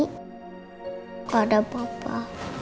gak ada papa